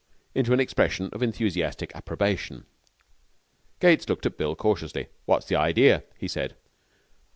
into an expression of enthusiastic approbation. Gates looked at Bill curiously. 'What's the idea?' he said.